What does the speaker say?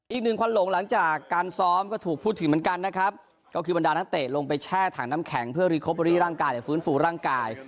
ควันหลงหลังจากการซ้อมก็ถูกพูดถึงเหมือนกันนะครับก็คือบรรดานักเตะลงไปแช่ถังน้ำแข็งเพื่อรีคอเบอรี่ร่างกายฟื้นฟูร่างกาย